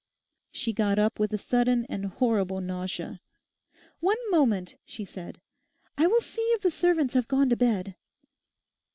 She got up with a sudden and horrible nausea. 'One moment,' she said, 'I will see if the servants have gone to bed.